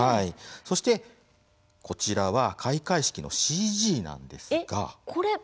そして、こちらは開会式のＣＧなんですけれども。